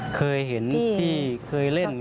เคยเห็นที่เคยเล่นเคยอะไร